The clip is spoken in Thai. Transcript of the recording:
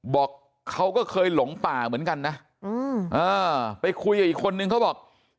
บอกเขาก็เคยหลงป่าเหมือนกันนะไปคุยกับอีกคนนึงเขาบอก